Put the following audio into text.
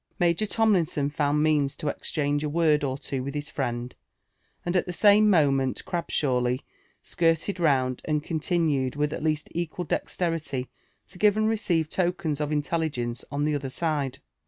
Major Tomlinson found means to exchange a word or two with his friend ; and at the same moment Crabshawly skirled round, and continued with at least equal dexterity to give and receive tokens of intelligence on the other side.